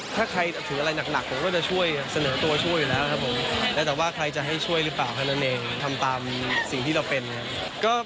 ถ้าใครถืออะไรหนักผมก็จะช่วยเสนอตัวช่วยอยู่แล้วครับผมแล้วแต่ว่าใครจะให้ช่วยหรือเปล่าเท่านั้นเองทำตามสิ่งที่เราเป็นครับ